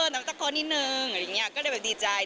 น้ำตากคอนิดหนึ่งอย่างนี้ก็เลยดีใจ